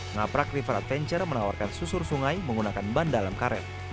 ngaprak river adventure menawarkan susur sungai menggunakan ban dalam karet